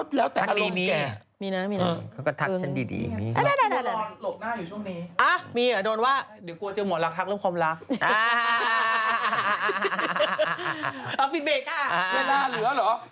ช่วงหน้ามาดูกันว่าเสถียร์คนไหนถูกหวยไปแล้วนะคะ๑๘ล้านค่ะตัว